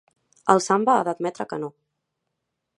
El Samba ha d'admetre que no.